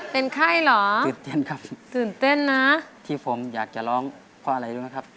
เป็นไข้เหรอตื่นเต้นครับที่ผมอยากจะร้องเพราะอะไรด้วยนะครับ